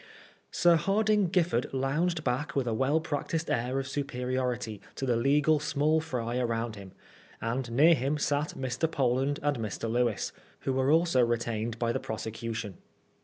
Sir Hardinge Giffard lounged back with a well practised air of superiority to the legal small fry around him, and near him sat Mr. Poland and Mr. Lewis, who were also retained by the prosecution.